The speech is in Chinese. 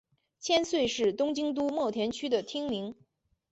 千岁是东京都墨田区的町名。